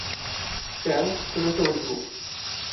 স্ট্যান তুমি একটা উজবুক।